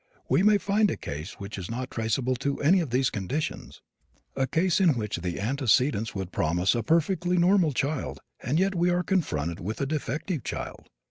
We may find a case which is not traceable to any of these conditions a case in which the antecedents would promise a perfectly normal child, and yet we are confronted with a defective child.